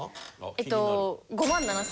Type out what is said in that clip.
えっと。